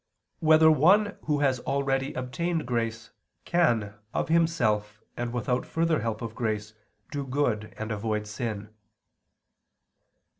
9] Whether One Who Has Already Obtained Grace, Can, of Himself and Without Further Help of Grace, Do Good and Avoid Sin?